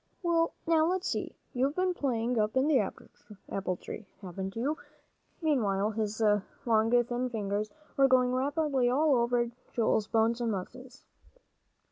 "Well, now let's see. You've been playing up in the apple tree, haven't you?" Meanwhile, his long thin fingers were going rapidly all over Joel's bones and muscles.